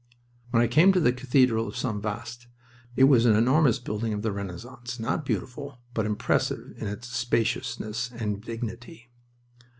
Then I came to the cathedral of St. Vaast. It was an enormous building of the Renaissance, not beautiful, but impressive in its spaciousness and dignity.